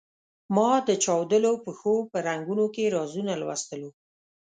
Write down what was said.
ما د چاودلو پښو په رنګونو کې رازونه لوستلو.